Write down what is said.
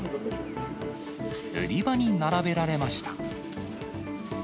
売り場に並べられました。